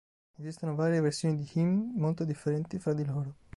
Esistono varie versioni di "Hymn", molto differenti fra di loro.